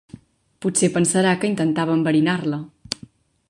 Potser pensarà que intentava enverinar-la.